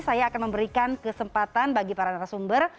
saya akan memberikan kesempatan bagi para narasumber